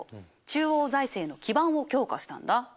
中央財政の基盤を強化したんだ。